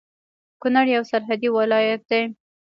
کونړ يو سرحدي ولايت دی